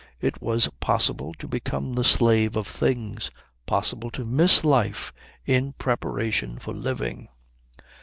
It was possible to become the slave of things; possible to miss life in preparation for living.